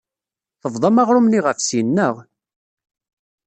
Tebḍam aɣrum-nni ɣef sin, naɣ?